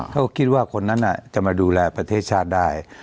เขาคิดว่าคนนั้นจะมาดูแลประเทศชาติได้